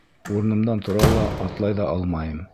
Урынымдан тора ла, атлай ҙа алмайым.